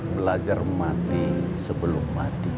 belajar mati sebelum mati